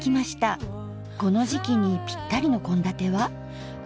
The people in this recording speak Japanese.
この時期にぴったりの献立は？